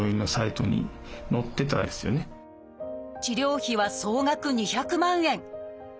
治療費は総額２００万円。